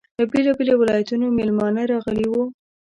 له بېلابېلو ولایتونو میلمانه راغلي وو.